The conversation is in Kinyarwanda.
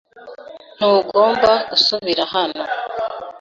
Ntugomba gusubira hano.